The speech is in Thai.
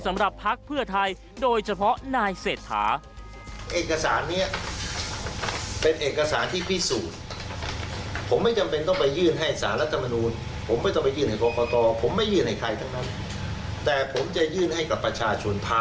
สำหรับพังเพื่อไทยโดยเฉพาะนายเศษฐา